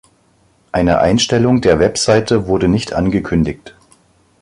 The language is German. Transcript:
Eine Einstellung der Webseite wurde nicht angekündigt.